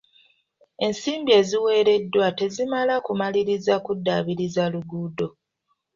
Ensimbi eziweereddwa tezimala kumaliriza kuddaabiriza luguudo.